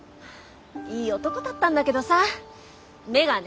いい男だったんだけどさ目がね。